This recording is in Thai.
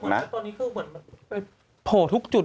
คือตอนนี้คือเหมือนโผล่ทุกจุด